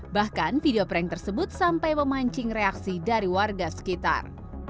bahkan video prank tersebut sampai memancing reaksi dari warga sekitar